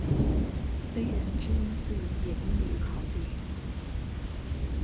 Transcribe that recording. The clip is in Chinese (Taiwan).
非人之因素也應予以考慮